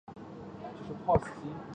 耿宝袭封牟平侯。